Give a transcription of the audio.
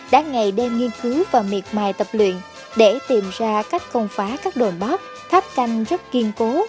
đã ngày đêm nghiên cứu và miệt mài tập luyện để tìm ra cách công phá các đồn bóp tháp canh rất kiên cố